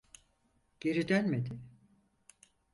Geri dönmedi.